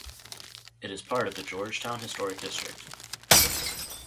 It is part of the Georgetown Historic District.